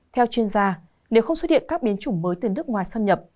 theo chuyên gia nếu không xuất hiện các biến chủng mới từ nước ngoài xâm nhập